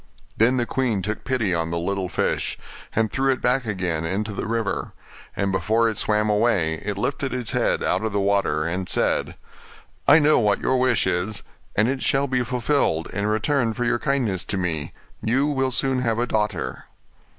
Then the queen took pity on the little fish, and threw it back again into the river; and before it swam away it lifted its head out of the water and said, 'I know what your wish is, and it shall be fulfilled, in return for your kindness to me you will soon have a daughter.